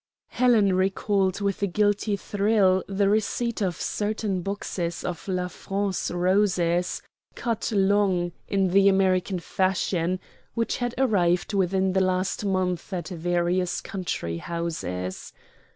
Helen recalled with a guilty thrill the receipt of certain boxes of La France roses cut long, in the American fashion which had arrived within the last month at various country houses.